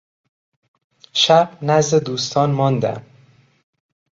شب نزد دوستان ماندم.